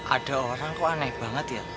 ada orang kok aneh banget ya